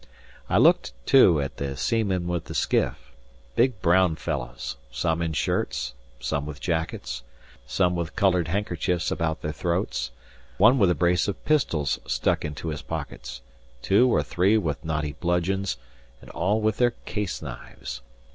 I looked, too, at the seamen with the skiff big brown fellows, some in shirts, some with jackets, some with coloured handkerchiefs about their throats, one with a brace of pistols stuck into his pockets, two or three with knotty bludgeons, and all with their case knives.